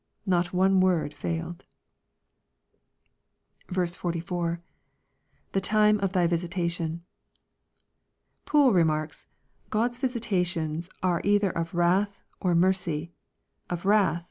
Not one word failed. 44. — [The time of thy visitation,] Poole remarks, " God's visitations are either of wrath, or mercy ;— of wrath.